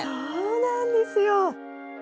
そうなんですよ！